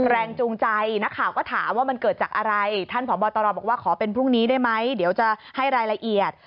แรงจูงใจนักข่าวก็ถามว่ามันเกิดจากอะไรท่านผอบตรบอกว่าขอเป็นพรุ่งนี้ได้ไหมเดี๋ยวจะให้รายละเอียด